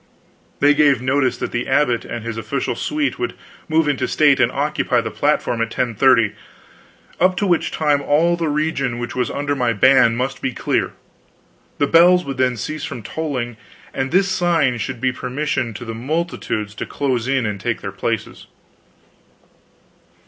They gave notice that the abbot and his official suite would move in state and occupy the platform at 10:30, up to which time all the region which was under my ban must be clear; the bells would then cease from tolling, and this sign should be permission to the multitudes to close in and take their places.